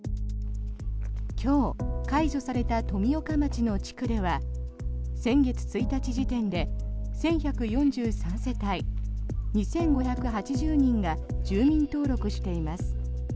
今日、解除された富岡町の地区では先月１日時点で１１４３世帯２５８０人が住民登録しています。